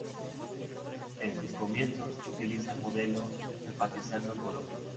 En sus comienzos utiliza el modelo enfatizando el color.